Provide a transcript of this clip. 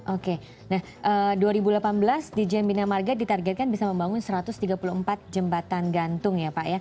oke nah dua ribu delapan belas di jem bina marga ditargetkan bisa membangun satu ratus tiga puluh empat jembatan gantung ya pak ya